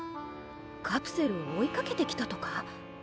カプセルを追いかけてきたとか？